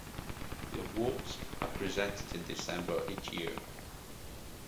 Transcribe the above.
The awards are presented in December each year.